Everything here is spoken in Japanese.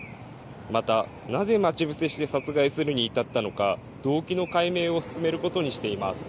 また、なぜ待ち伏せして殺害するに至ったのか動機の解明を進めることにしています。